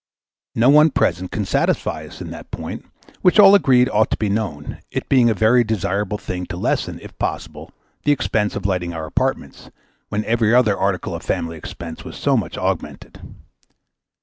No one present could satisfy us in that point, which all agreed ought to be known, it being a very desirable thing to lessen, if possible, the expense of lighting our apartments, when every other article of family expense was so much augmented.